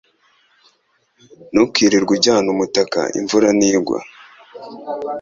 Ntukirirwe ujyana umutaka imvura ntigwa.